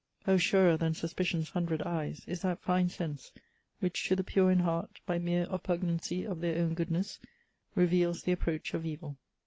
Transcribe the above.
O surer than suspicion's hundred eyes Is that fine sense, which to the pure in heart, By mere oppugnancy of their own goodness, Reveals the approach of evil."